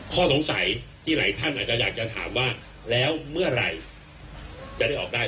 ข้อสงสัยที่หลายท่านอาจจะอยากจะถามว่าแล้วเมื่อไหร่จะได้ออกได้